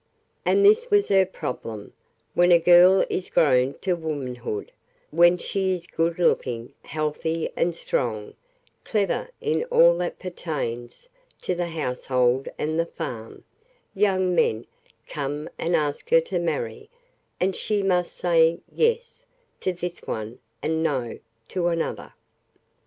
And this was her problem: when a girl is grown to womanhood, when she is good looking, healthy and strong, clever in all that pertains to the household and the farm, young men come and ask her to marry, and she must say "Yes" to this one and "No" to another.